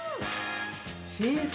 新鮮。